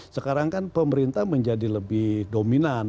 sekarang kan pemerintah menjadi lebih dominan